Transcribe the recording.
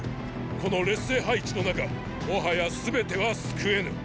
この劣勢配置の中もはや全ては救えぬ！